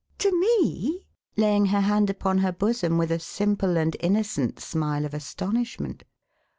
To me?" laying her hand upon her bosom with a simple and innocent smile of astonishment.